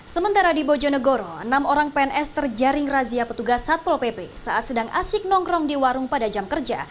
sementara di bojonegoro enam orang pns terjaring razia petugas satpol pp saat sedang asik nongkrong di warung pada jam kerja